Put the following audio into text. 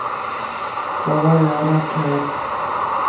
سوا ياران ٿيان